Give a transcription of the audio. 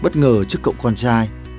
bất ngờ ở trước cộng con trai